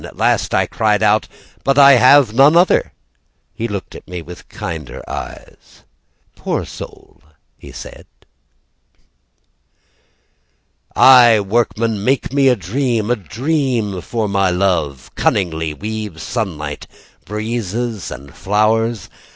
At last, I cried out: "But I have non other." He looked at me With kinder eyes. "Poor soul," he said. Aye, workman, make me a dream, A dream for my love. Cunningly weave sunlight, Breezes, and flowers.